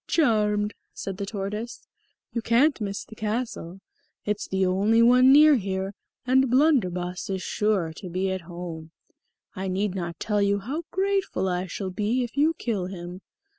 "Charmed," said the tortoise. "You can't miss the castle; it's the only one near here, and Blunderbus is sure to be at home. I need not tell you how grateful I shall be if you kill him.